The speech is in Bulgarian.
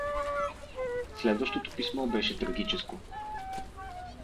Следващото писмо беше трагическо.